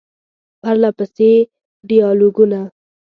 پرله پسې ډیالوګونه ،